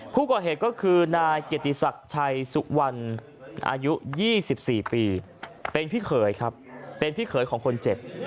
ผู้ก่อเหตุก็คือนายเกียรติศักดิ์ชัยสุวรรณอายุ๒๔ปีเป็นพี่เขยครับเป็นพี่เขยของคนเจ็บ